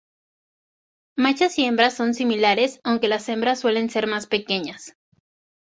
Machos y hembras son similares, aunque las hembras suelen ser más pequeñas.